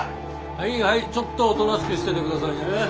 はいはいちょっとおとなしくしてて下さいね。